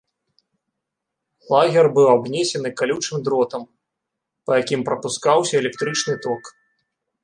Лагер быў абнесены калючым дротам, па якім прапускаўся электрычны ток.